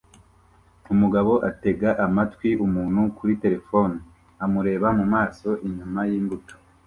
Umugabo atega amatwi umuntu kuri terefone amureba mu maso inyuma yimbuto